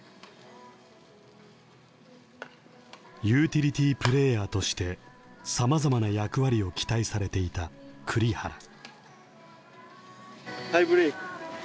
ユーティリティープレーヤーとしてさまざまな役割を期待されていた栗原。